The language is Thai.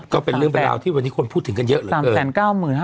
ก็เป็นเรื่องเป็นราวที่วันนี้คนพูดถึงกันเยอะเลย